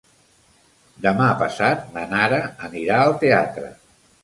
Demà passat na Nara anirà al teatre.